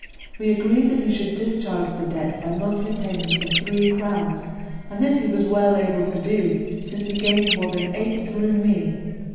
We agreed that he should discharge the debt by monthly payments of three crowns; and this he was well able to do, since he gained more than eight through me.